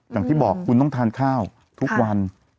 อย่างที่บอกคุณต้องทานข้าวทุกวัน